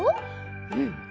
うん。